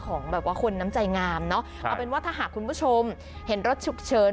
ของแบบว่าคนน้ำใจงามเนอะเอาเป็นว่าถ้าหากคุณผู้ชมเห็นรถฉุกเฉิน